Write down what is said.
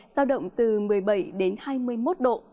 giao động từ một mươi bảy đến hai mươi một độ